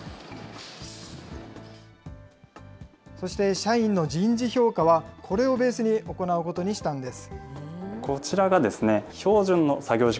そして、社員の人事評価は、これをベースに行うことにしたんです。